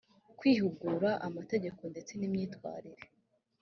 kwihugura amategeko ndetse n imyitwarire